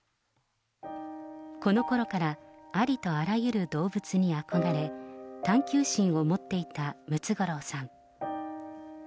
このころから、ありとあらゆる動物に憧れ、探求心を持っていたムツゴロウさん。